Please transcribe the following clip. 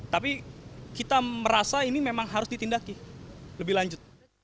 tapi kita merasa ini memang harus ditindaki lebih lanjut